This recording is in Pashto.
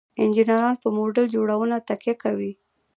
انجینران په موډل جوړونه تکیه کوي.